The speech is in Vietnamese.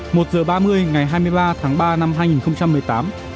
một h ba mươi ngày hai mươi ba tháng ba năm hai nghìn một mươi tám